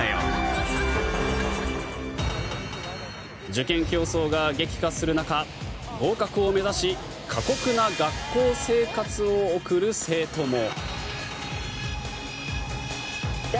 受験競争が激化する中合格を目指し過酷な学校生活を送る生徒も。